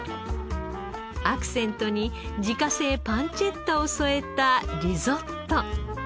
アクセントに自家製パンチェッタを添えたリゾット。